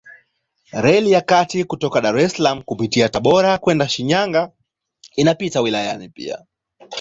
Reli ya kati kutoka Dar es Salaam kupitia Tabora kwenda Shinyanga inapita wilayani pia.